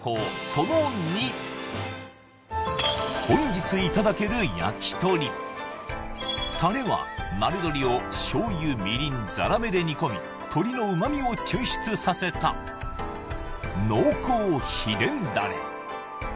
その２タレは丸鶏を醤油みりんザラメで煮込み鶏の旨味を抽出させた濃厚秘伝ダレ